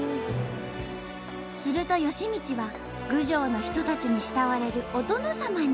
すると幸道は郡上の人たちに慕われるお殿様に。